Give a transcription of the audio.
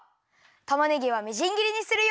たまねぎはみじんぎりにするよ。